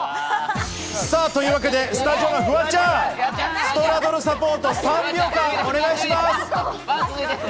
というわけで、スタジオのフワちゃん、ストラドル・サポート３秒間お願いします。